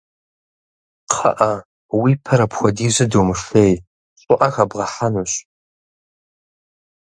Кхъыӏэ, уи пэр апхуэдизу думышей, щӏыӏэ хэбгъэхьэнущ.